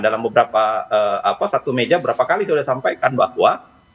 dalam satu meja berapa kali sudah saya sampaikan bahwa